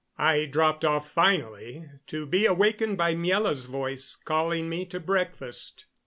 I dropped off finally, to be awakened by Miela's voice calling me to breakfast.